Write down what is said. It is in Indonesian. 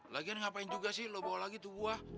lagian ngapain juga sih lo bawa lagi tuh buah